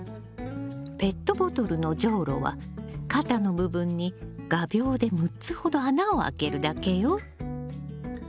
ペットボトルのじょうろは肩の部分に画びょうで６つほど穴を開けるだけよ。